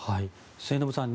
末延さん